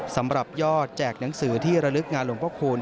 สำหรับยอดแจกหนังสือที่ระลึกงานหลวงพระคูณ